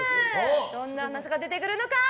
どんな話が出てくるのか。